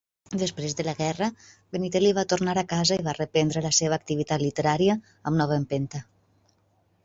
Després de la guerra, Bettinelli va tornar a casa i va reprendre la seva activitat literària amb nova empenta.